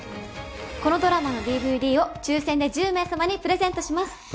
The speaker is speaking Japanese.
このドラマのＤＶＤを抽選で１０名様にプレゼントします。